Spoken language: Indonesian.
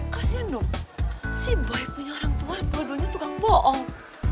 kasian dong si boy punya orang tua dua duanya tukang bohong